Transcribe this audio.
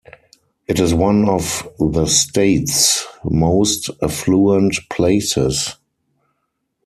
It is one of the state's most affluent places.